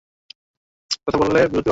কথা বাড়ালে বিপত্তিই বাড়ে।